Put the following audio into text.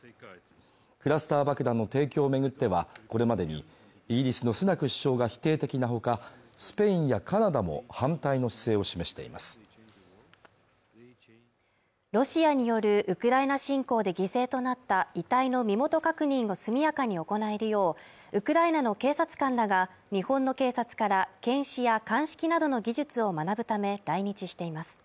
クラスター爆弾の提供を巡っては、これまでにイギリスのスナク首相が否定的な他、スペインやカナダも反対の姿勢を示していますロシアによるウクライナ侵攻で犠牲となった遺体の身元確認を速やかに行えるよう、ウクライナの警察官らが日本の警察から検視や鑑識などの技術を学ぶため来日しています。